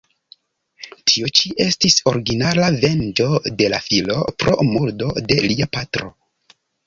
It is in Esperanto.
Tio ĉi estis originala venĝo de la filo pro murdo de lia patro.